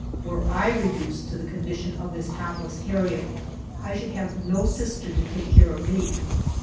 Were I reduced to the condition of this hapless Harriet, I should have no sister to take care of me.